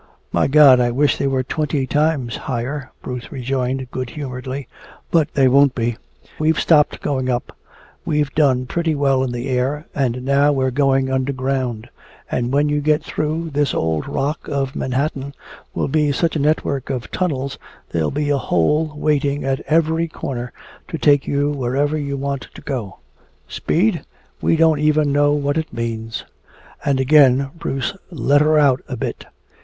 "My God, I wish they were twenty times higher," Bruce rejoined good humoredly. "But they won't be we've stopped going up. We've done pretty well in the air, and now we're going underground. And when we get through, this old rock of Manhattan will be such a network of tunnels there'll be a hole waiting at every corner to take you wherever you want to go. Speed? We don't even know what it means!" And again Bruce "let her out" a bit.